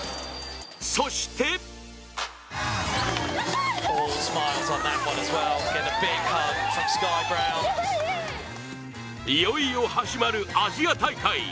そしていよいよ始まるアジア大会。